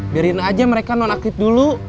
biarin aja mereka non aktif dulu